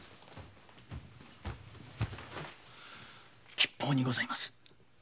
吉報にございます。